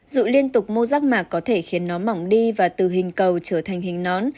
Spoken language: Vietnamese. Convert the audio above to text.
dụ liên tục mô rác mạc có thể khiến nó mỏng đi và từ hình cầu trở thành hình nón